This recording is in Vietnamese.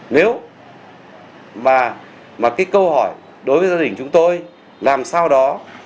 nếu mà cái câu hỏi đối với gia đình chúng tôi làm sao đó